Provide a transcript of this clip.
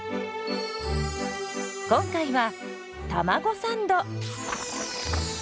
今回はたまごサンド。